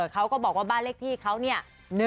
เขาก็บอกว่าบ้านเลขที่เขาเนี่ย